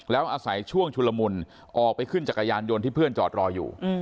แล้วอาศัยช่วงชุลมุนออกไปขึ้นจักรยานยนต์ที่เพื่อนจอดรออยู่